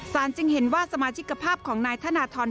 จึงเห็นว่าสมาชิกภาพของนายธนทร